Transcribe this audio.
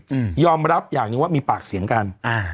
อืมยอมรับอย่างหนึ่งว่ามีปากเสียงกันอ่า